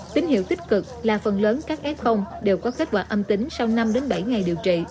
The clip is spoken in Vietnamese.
tín hiệu tích cực là phần lớn các f đều có kết quả âm tính sau năm bảy ngày điều trị